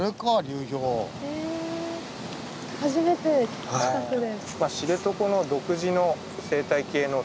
初めて近くで。